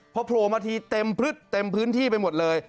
เพราะโผล่มาทีเต็มพื้นที่ไปหมดเลย